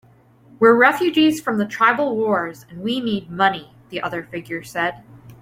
"We're refugees from the tribal wars, and we need money," the other figure said.